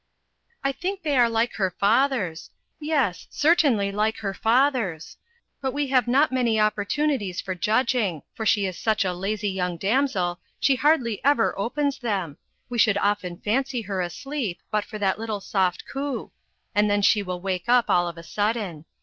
"I think they are like her father's; yes, certainly like her father's. But we have not many opportunities of judging, for she is such a lazy young damsel, she hardly ever opens them we should often fancy her asleep, but for that little soft coo; and then she will wake up all of a sudden.